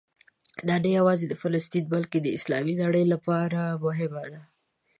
دا نه یوازې د فلسطین بلکې د اسلامي نړۍ لپاره مهمه ده.